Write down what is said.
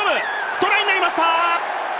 トライになりました！